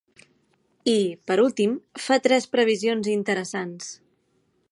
I, per últim, fa tres previsions interessants.